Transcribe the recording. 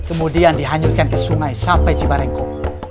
dan kemudian golden child dihanyutkan ke sungai sampai cibarengko